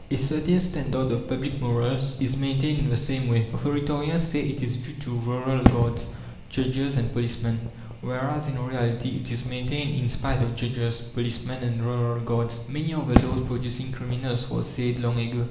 A certain standard of public morals is maintained in the same way. Authoritarians say it is due to rural guards, judges, and policemen, whereas in reality it is maintained in spite of judges, policemen, and rural guards. "Many are the laws producing criminals!" was said long ago.